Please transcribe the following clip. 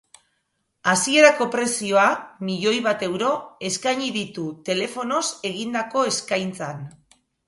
Hasierako prezioa, milioi bat euro, eskaini ditu, telefonoz egindako eskaintzan.